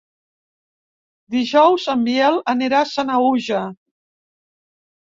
Dijous en Biel anirà a Sanaüja.